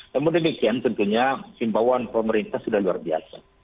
namun demikian tentunya simbawan pemerintah sudah luar biasa